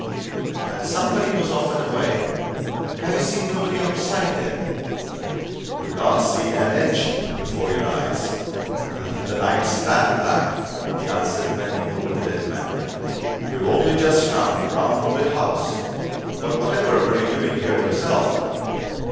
And somebody was off and away have you seen nobody outside there?" "You can't see an inch before your eyes the night's that black," he answered, bending over the dead man. "We've only just come round from the house. But whatever were you doing here, yourself?"